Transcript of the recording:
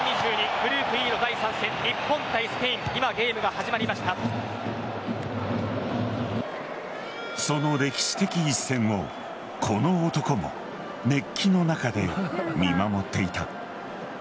グループＥの第３戦日本対スペインその歴史的一戦をこの男も熱気の中で見守っていた。